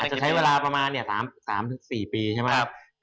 อาจจะใช้เวลาประมาณ๓๔ปีใช่ไหมครับ